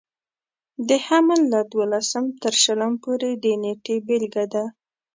د حمل له دولسم تر شلم پورې د نېټې بېلګه ده.